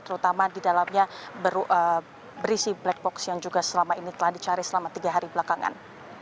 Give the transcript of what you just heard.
terutama di dalamnya berisi black box yang juga selama ini telah dicari selama tiga hari belakangan